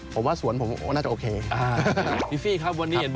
ผมว่าสวนผมโอ๊ยน่าจะโอเคอ่าพี่ฟี่ครับวันนี้ครับ